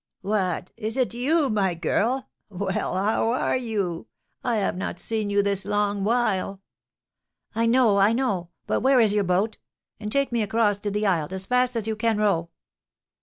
"What! Is it you, my girl? Well, how are you? I have not seen you this long while." "I know, I know; but where is your boat? and take me across to the isle as fast as you can row."